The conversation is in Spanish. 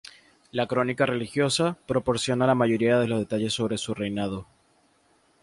La "Crónica religiosa" proporciona la mayoría de los detalles sobre su reinado.